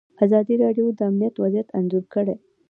ازادي راډیو د امنیت وضعیت انځور کړی.